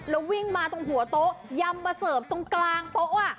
แล้ววิ่งมาตรงหัวโต๊ะยำมาเสิร์ฟตรงกลางโต๊ะ